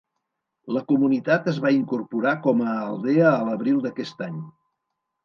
La comunitat es va incorporar com a aldea a l'abril d'aquest any.